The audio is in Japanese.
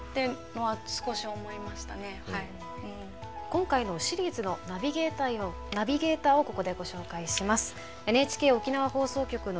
今回のシリーズのナビゲーターをここでご紹介します。